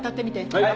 はい。